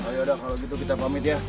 yaudah kalau gitu kita pamit ya